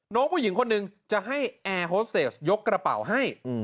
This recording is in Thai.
น้องผู้หญิงคนหนึ่งจะให้แอร์โฮสเตสยกกระเป๋าให้